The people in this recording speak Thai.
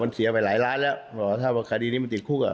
มันเสียไปหลายล้านแล้วบอกว่าถ้าว่าคดีนี้มันติดคุกอะ